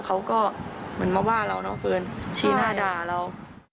เขาก็เหมือนมาว่าเราน้องเฟิร์นชี้หน้าด่าเรา